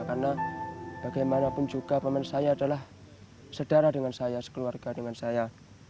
karena bagaimanapun juga paman saya adalah sedara dengan saya sekeluarga dengan saya